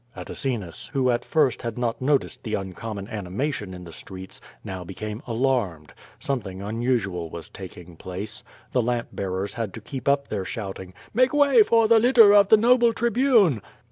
"' Atacinus, who at first had not noticed the uncommon ani mation in the streets, now became alarmed. Something un usual was taking place. The lamp bearers had to keep up their shouting: ^^ake way for the litter of the noble tribune!"